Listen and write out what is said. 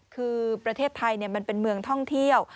คือประเทศไทยมันเป็นเมืองท่องเที่ยว